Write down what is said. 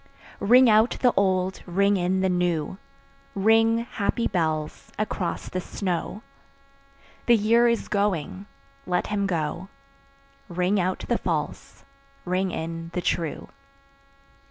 Ring out the old, ring in the new, Ring, happy bells, across the snow: The year is going, let him go; Ring out the false, ring in the true.